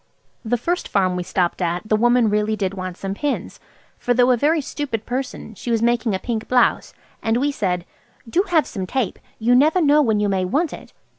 The first farm we stopped at the woman really did want some pins, for though a very stupid person, she was making a pink blouse, and we said– "Do have some tape! You never know when you may want it."